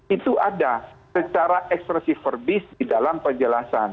itu ada secara ekspresif verbis di dalam penjelasan